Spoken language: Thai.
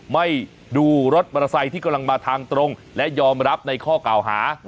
ไม่ดูรถมอเตอร์ไซค์ที่กำลังมาทางตรงและยอมรับในข้อเก่าหา